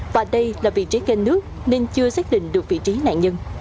và đây là vị trí kênh nước nên chưa xác định được vị trí nạn nhân